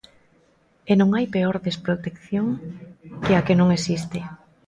E non hai peor desprotección que a que non existe.